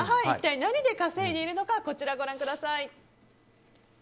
一体何で稼いでいるのかこちらご覧ください。